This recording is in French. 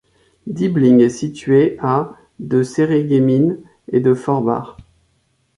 Diebling est située à de Sarreguemines et de Forbach.